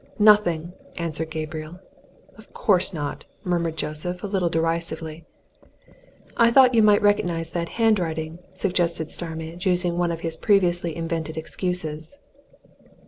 "Nothing!" answered Gabriel. "Of course not!" murmured Joseph, a little derisively. "I thought you might recognize that handwriting," suggested Starmidge, using one of his previously invented excuses.